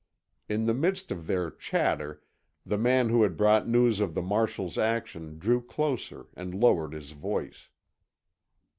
In the midst of their chatter the man who had brought news of the marshal's action drew closer and lowered his voice.